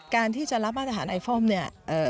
การที่จะรับมาตรฐานไอฟอมเนี่ย